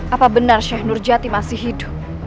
apa benar cianur jati masih hidup